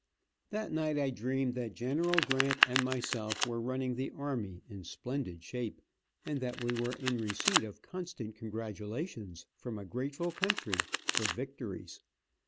That night I dreamed that General Grant and myself were running the army in splendid shape, and that we were in receipt of constant congratulations from a grateful country, for victories.